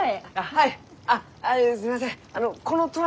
はい。